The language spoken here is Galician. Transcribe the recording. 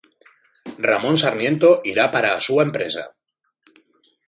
"Ramón Sarmiento irá para a súa empresa".